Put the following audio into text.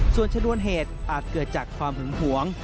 ส่วนชนวนเหตุอาจเกิดจากความหึงหวง